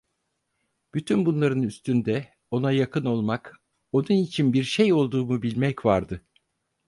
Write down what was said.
Bütün bunların üstünde, ona yakın olmak, onun için bir şey olduğumu bilmek vardı.